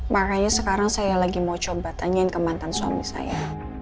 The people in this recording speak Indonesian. makanya sekarang saya lagi mau coba tanyain ke mantan suami saya